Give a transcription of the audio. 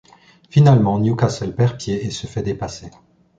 Finalement Newcastle perd pied et se fait dépasser.